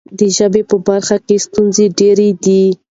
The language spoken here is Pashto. د ژبې په برخه کې ستونزې ډېرې دي.